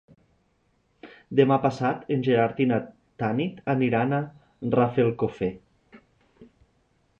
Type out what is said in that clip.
Demà passat en Gerard i na Tanit aniran a Rafelcofer.